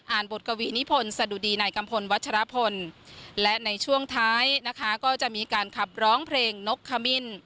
บทกวีนิพลสะดุดีในกัมพลวัชรพลและในช่วงท้ายนะคะก็จะมีการขับร้องเพลงนกขมิ้น